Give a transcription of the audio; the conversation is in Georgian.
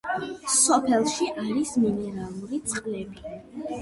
სოფელში არის მინერალური წყლები.